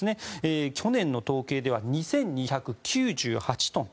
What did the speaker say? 去年の統計では２２９８トン。